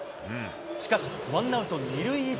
しかし、ワンアウト２塁１塁。